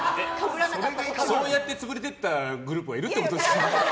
そうやってつぶれていったグループがいるってことですか？